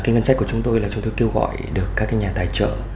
ngân sách của chúng tôi là chúng tôi kêu gọi được các nhà tài trợ